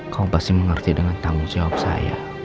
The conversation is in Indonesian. kamu pasti mengerti dengan tanggung jawab saya